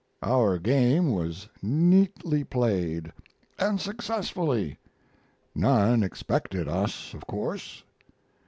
Our game was neatly played, and successfully. None expected us, of course.